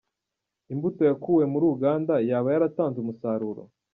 Imbuto yakuwe muri Uganda, yaba yaratanze umusaruro?.